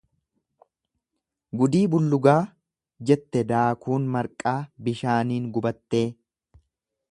Gudii bullugaa jette daakuun marqaa bishaaniin gubattee.